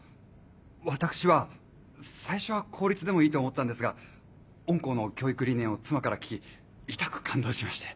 私は最初は公立でもいいと思ったんですが御校の教育理念を妻から聞きいたく感動しまして。